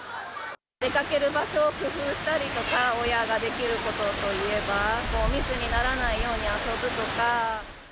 出かける場所を工夫したりとか、親ができることといえば、密にならないように遊ぶとか。